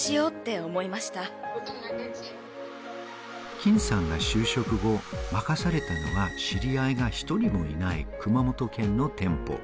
金さんが就職後、任されたのは知り合いが１人もいない熊本県の店舗。